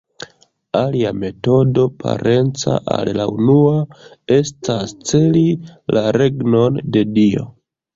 Alia metodo, parenca al la unua, estas celi la regnon de Dio.